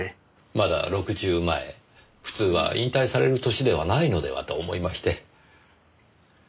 まだ６０前普通は引退される歳ではないのではと思いまして。